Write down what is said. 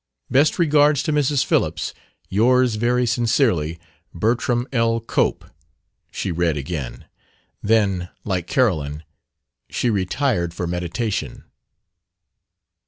"Best regards to Mrs. Phillips. Yours very sincerely, Bertram L. Cope," she read again; then, like Carolyn, she retired for meditation.